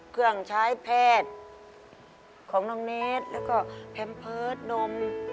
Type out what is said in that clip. ของชายแพทย์ของน้องเนธแล้วก็แพมเพิร์ตนม